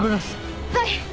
はい。